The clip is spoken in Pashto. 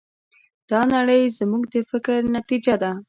دا نړۍ زموږ د فکر نتیجه ده.